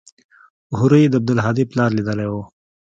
هورې يې د عبدالهادي پلار ليدلى و.